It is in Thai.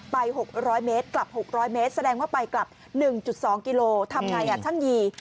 ๖๐๐เมตรกลับ๖๐๐เมตรแสดงว่าไปกลับ๑๒กิโลทำไงช่างยี